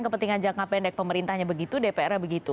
kepentingan jangka pendek pemerintahnya begitu dpr